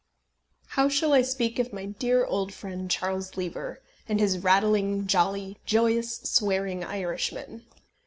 How shall I speak of my dear old friend Charles Lever, and his rattling, jolly, joyous, swearing Irishmen.